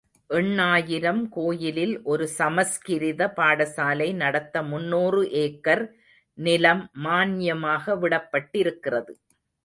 எண்ணாயிரம் கோயிலில் ஒரு சமஸ்கிருத பாடசாலை நடத்த முந்நூறு ஏக்கர் நிலம் மான்யமாக விடப்பட்டிருக்கிறது.